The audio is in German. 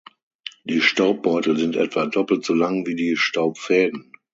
Die Staubbeutel sind etwa doppelt so lang wie die Staubfäden.